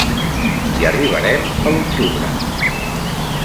Hi arribarem a l'octubre.